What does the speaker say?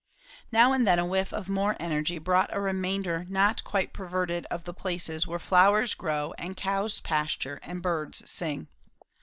Now and then a whiff of more energy brought a reminder not quite perverted of the places where flowers grow and cows pasture and birds sing.